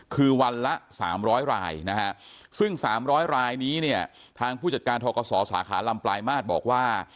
คือวันละ๓๐๐รายนะฮะซึ่ง๓๐๐รายนี้เนี่ยทางผู้จัดการทกศสาขาลำปลายมาตรบอกว่า